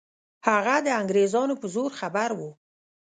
هغه د انګریزانو په زور خبر وو.